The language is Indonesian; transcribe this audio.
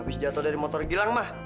abis jatuh dari motor gilang mah